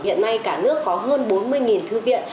hiện nay cả nước có hơn bốn mươi thư viện